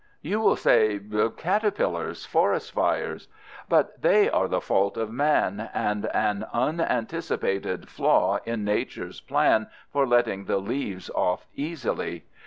You will say, caterpillars, forest fires, but they are the fault of man and an unanticipated flaw in nature's plan for letting the leaves off easily.